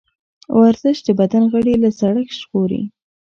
ورزش د بدن غړي له زړښت ژغوري.